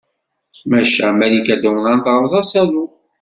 Maca Malika Dumran terẓa asalu.